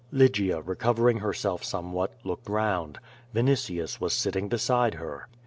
*' Lygia, recovering herself somewhat, looked round. Vini tius was sitting beside her.